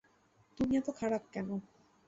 তুমি এত খারাপ কেন?